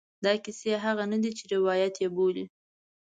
دا کیسې هغه نه دي چې روایت یې بولي.